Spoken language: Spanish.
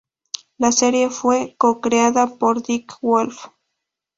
La serie fue co-creada por Dick Wolf.